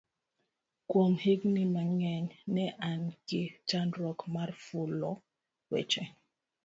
kuom higni mang'eny ne an gi chandruok mar fulo weche